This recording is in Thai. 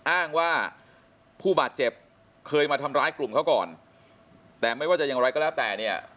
อ้างว่าผู้บาดเจ็บเคยมาทำร้ายกลุ่มเขาก่อนแต่ไม่ว่าจะอย่างไรก็แล้วแต่เนี่ย